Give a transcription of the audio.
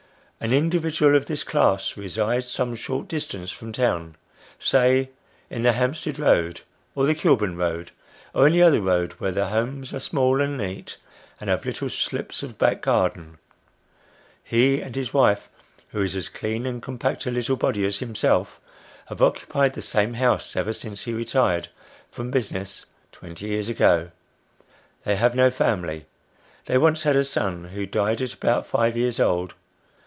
An individual of this class, resides some short distance from town say in the Hampstead Road, or the Kilburn Road, or any other road where the houses are small and neat, and The Light of Life. 69 have little slips of back garden. He and his wife who is as clean and compact a little body as himself have occupied the same house ever since he retired from business twenty years ago. They have no family. They once had a son, who died at about five years old.